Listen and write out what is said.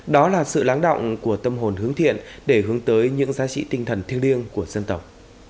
đó là sự lắng động của tâm hồn hướng thiện để hướng tới những giá trị tinh thần thiêng liêng của dân tộc